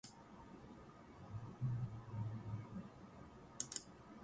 However, every incident of boundary violation requires responsible action to ensure children’s safety.